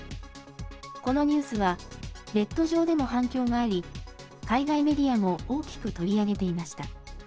このニュースは、ネット上でも反響があり、海外メディアも大きく取り上げていました。